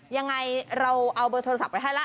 ยังไงเราเอาเบอร์โทรศัพท์ไปให้ละ